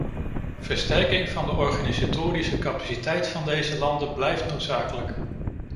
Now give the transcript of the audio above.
Versterking van de organisatorische capaciteit van deze landen blijft noodzakelijk.